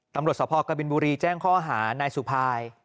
ตำรวจสภกบินบุรีแจ้งข้อหานายสุภาย